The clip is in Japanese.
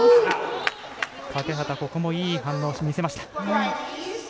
欠端、ここもいい反応を見せました。